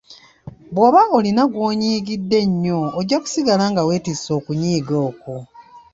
Bwoba olina gw'onyiigidde ennyo ojja kusigala nga wetisse okunyiiga okwo.